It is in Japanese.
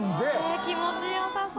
え気持ちよさそう！